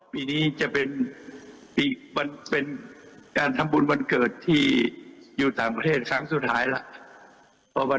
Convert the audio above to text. ปีนี้จะเป็นการทำบุญวันเกิดที่อยู่ต่างประเทศครั้งสุดท้ายแล้ว